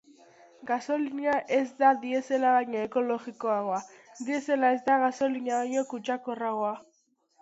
Gasolina ez da diesela baino ekologikoagoa, diesela ez da gasolina baino kutsakorragoa.